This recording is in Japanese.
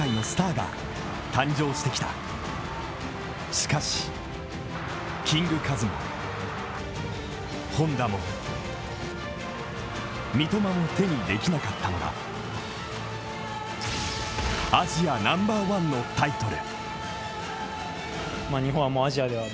しかしキングカズも本田も、三笘も手にできなかったのがアジアナンバーワンのタイトル。